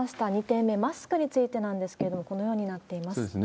２点目、マスクについてなんですけれども、このようになっています。